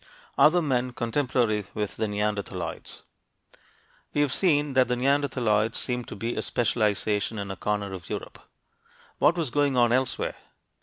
OTHER MEN CONTEMPORARY WITH THE NEANDERTHALOIDS We have seen that the neanderthaloids seem to be a specialization in a corner of Europe. What was going on elsewhere?